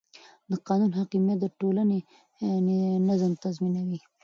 د قانون حاکمیت د ټولنې نظم تضمینوي